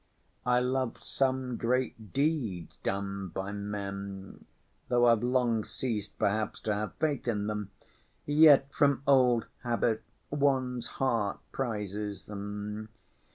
I love some great deeds done by men, though I've long ceased perhaps to have faith in them, yet from old habit one's heart prizes them.